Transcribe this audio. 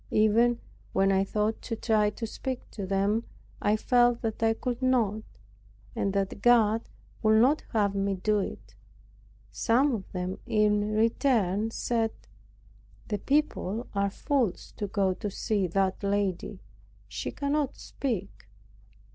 Even when I thought to try to speak to them, I felt that I could not, and that God would not have me do it. Some of them in return said, "The people are fools to go to see that lady. She cannot speak."